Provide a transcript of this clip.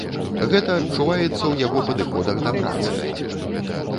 Гэта адчуваецца ў яго падыходах да працы.